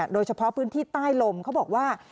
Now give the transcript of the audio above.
โดยเฉพาะพื้นที่ใต้ลมเขาบอกว่า